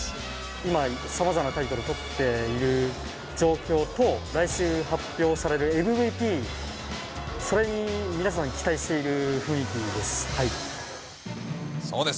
今、さまざまなタイトル取っているという状況と、来週発表されるＭＶＰ、それに皆さん、期待している雰囲気です。